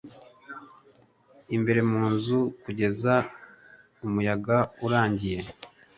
imbere mu nzu kugeza umuyaga urangiye